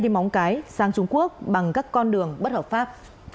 nghệ an móng cái sang trung quốc bằng các con đường bất hợp pháp